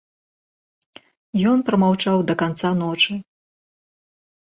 Ён прамаўчаў да канца ночы.